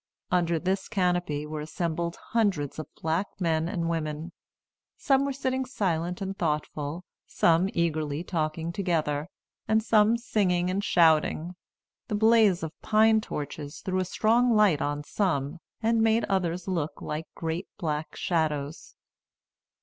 Under this canopy were assembled hundreds of black men and women. Some were sitting silent and thoughtful, some eagerly talking together, and some singing and shouting. The blaze of pine torches threw a strong light on some, and made others look like great black shadows.